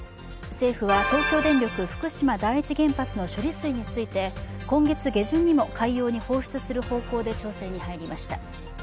政府は東京電力・福島第一原発の処理水について、今月下旬にも海洋に放出する方向で調整に入りました。